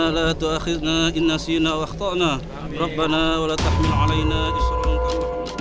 allah tuhan kita inna sinawakhtana rabbana walau takmin alaina isram